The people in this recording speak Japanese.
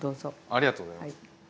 ありがとうございます。